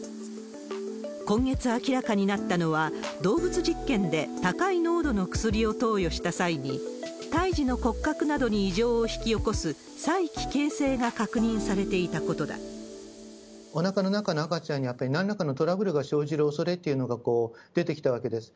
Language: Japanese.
今月明らかになったのは、動物実験で高い濃度の薬を投与した際に、胎児の骨格などに異常を引き起こす催奇形性が確認されていたことおなかの中の赤ちゃんに、やっぱりなにらかのトラブルが生じるおそれっていうのが出てきたわけです。